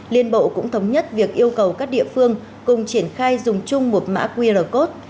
liên bộ cũng thống nhất việc yêu cầu các địa phương cùng triển khai dùng chung một mã qr code